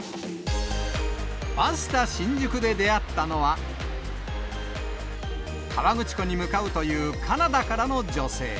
バスタ新宿で出会ったのは、河口湖に向かうというカナダからの女性。